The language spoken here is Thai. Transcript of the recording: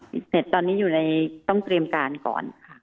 เสร็จตอนนี้อยู่ในต้องเตรียมการก่อนค่ะ